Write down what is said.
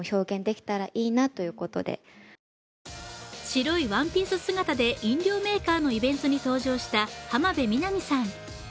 白いワンピース姿で飲料水のイベントに登場した浜辺美波さん。